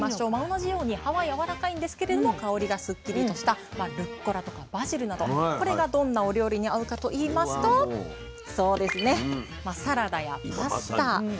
同じように葉はやわらかいんですけれど香りがスッキリとしたルッコラとかバジルなどこれがどんなお料理に合うかといいますとサラダやパスタ。